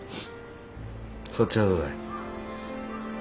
そっちはどうだい？